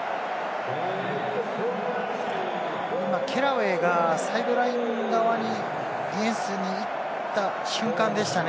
今、ケラウェイがサイドライン側にディフェンスに行った瞬間でしたね。